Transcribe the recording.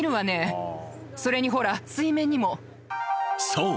［そう。